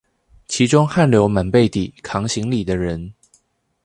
其中汗流滿背地扛行李的人